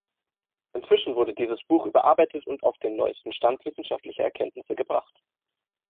Inzwischen wurde dieses Buch überarbeitet und auf den neuesten Stand wissenschaftlicher Erkenntnisse gebracht.